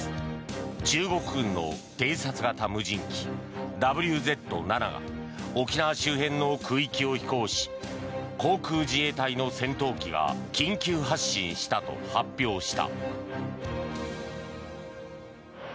中国軍の偵察型無人機ＷＺ７が沖縄周辺の空域を飛行し航空自衛隊の戦闘機が緊急発進したと発表した。